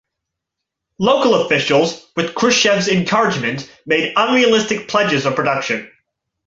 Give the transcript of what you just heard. Local officials, with Khrushchev's encouragement, made unrealistic pledges of production.